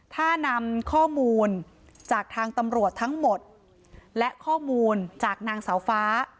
ถ้านำข้อมูลจากทางตำรวจทั้งหมดและข้อมูลจากนางสาวฟ้า